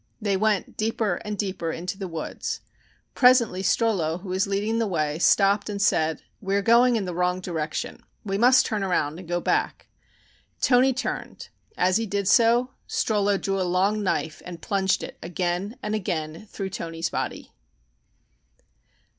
They went deeper and deeper into the woods. Presently Strollo, who was leading the way, stopped and said: "We are going in the wrong direction. We must turn around and go back." Toni turned. As he did so Strollo drew a long knife and plunged it again and again through Toni's body.